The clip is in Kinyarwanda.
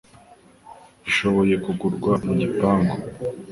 ishoboye gukurwa mu gipangu